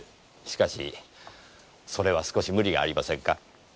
しかしそれは少し無理がありませんか？